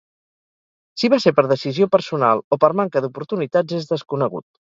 Si va ser per decisió personal o per manca d'oportunitats és desconegut.